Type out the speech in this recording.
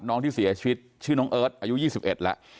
น้องที่เสียชีวิตชื่อน้องเอิร์ทอายุ๒๑แล้ว